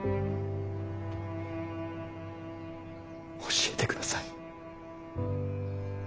教えてください。